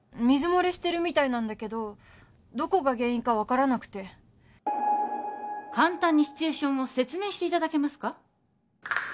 水漏れしてるみたいなんだけどどこが原因か分からなくて簡単にシチュエーションを説明していただけますか？